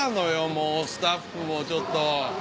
もうスタッフもちょっと。